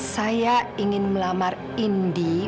saya ingin melamar indi